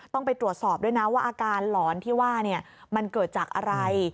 ต้องไปตรวจสอบด้วยนะว่าอาการหลอนที่ว่ามันเกิดจากอะไร